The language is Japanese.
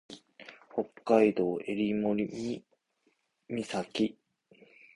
北海道襟裳岬